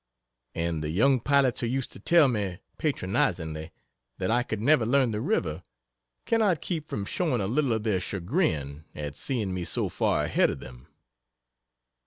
And the young pilots who used to tell me, patronizingly, that I could never learn the river cannot keep from showing a little of their chagrin at seeing me so far ahead of them.